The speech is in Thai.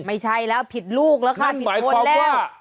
ไม่ใช่แล้วผิดลูกแล้วค่ะผิดคนแล้ว